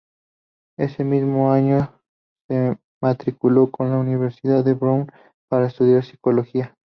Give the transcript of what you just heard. Ese mismo año se matriculó en la Universidad de Brown para estudiar Sociología.